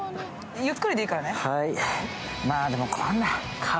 ゆっくりでいいからね。